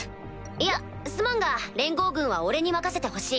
いやすまんが連合軍は俺に任せてほしい。